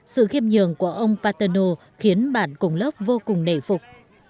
sự khiêm nhường của ông paterno khiến bạn cùng lớp vô cùng nể phục